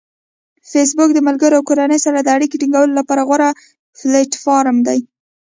فېسبوک د ملګرو او کورنۍ سره د اړیکې ټینګولو لپاره غوره پلیټفارم دی.